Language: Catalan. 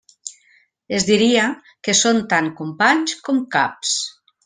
Es diria que són tant companys com caps.